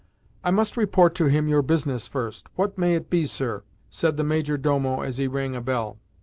"I must report to him your business first. What may it be, sir?" said the major domo as he rang a bell.